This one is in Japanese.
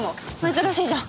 珍しいじゃん。